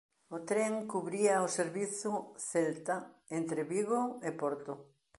O tren cubría o servizo Celta entre Vigo e Porto.